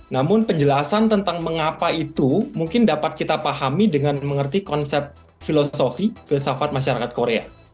namun penjelasan tentang mengapa itu mungkin dapat kita pahami dengan mengerti konsep filosofi filsafat masyarakat korea